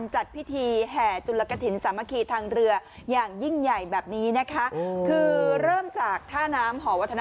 ให้ล่องไปเรื่อยค่ะ